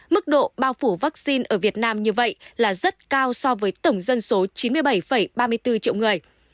mức độ bao phủ vaccine ở việt nam như vậy là rất cao so với tổng dân số chín mươi bảy ba mươi bốn triệu người